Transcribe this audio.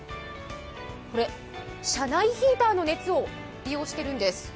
車内ヒーターの熱を利用しているんです。